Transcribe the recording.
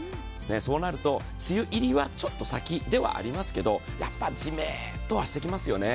そうなると梅雨入りはちょっと先ではありますけれど、やっぱりじめっとはしてきますよね。